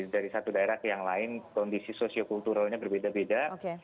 dari satu daerah ke yang lain kondisi sosiokulturalnya berbeda beda